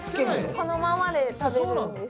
このままで食べるんです。